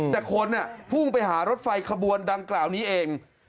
แต่คนพุ่งไปหารถไฟขบวนดังกล่าวนี้เอง